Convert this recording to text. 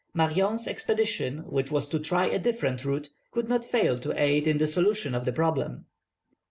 Marion's expedition, which was to try a different route, could not fail to aid in the solution of the problem.